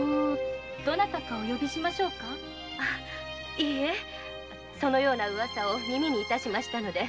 いいえそのような噂を耳に致しましたので。